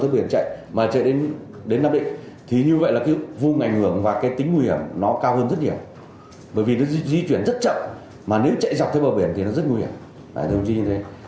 bởi vì nó di chuyển rất chậm mà nếu chạy dọc theo bờ biển thì nó rất nguy hiểm